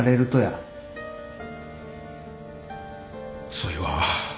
そいは。